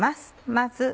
まず。